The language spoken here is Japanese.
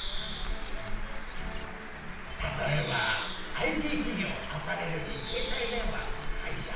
例えばＩＴ企業アパレルに携帯電話の会社。